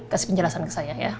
kasih penjelasan ke saya ya